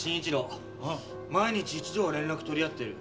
毎日一度は連絡取り合ってる。